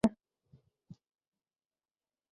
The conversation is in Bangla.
ওহ, সে হবে আমার সেরা কাস্টোমার।